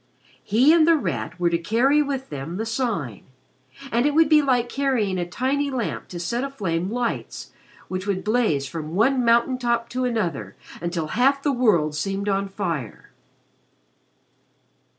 He and The Rat were to carry with them The Sign, and it would be like carrying a tiny lamp to set aflame lights which would blaze from one mountain top to another until half the world seemed on fire.